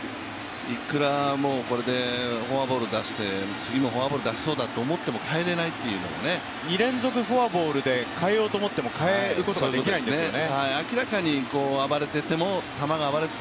これでフォークボール出して、次もフォークボール出しそうだと思っても２連続フォアボールで代えようと思っても代えることができないんですね。